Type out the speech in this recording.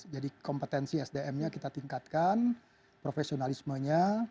jadi kompetensi sdm nya kita tingkatkan profesionalismenya